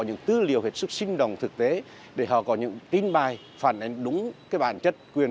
những tư liệu hết sức sinh động thực tế để họ có những tin bài phản ánh đúng cái bản chất quyền